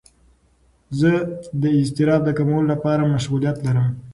زه د اضطراب د کمولو لپاره مشغولیت لرم.